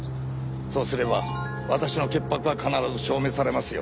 そうすれば私の潔白は必ず証明されますよ。